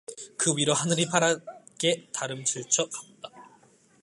그 위로 하늘이 파랗게 달음질쳐 갔다.